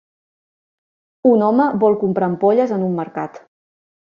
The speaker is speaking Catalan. Un home vol comprar ampolles en un mercat.